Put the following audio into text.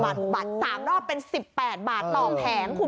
สามรอบเป็น๑๘บาทต่อแผงคุณผู้ชม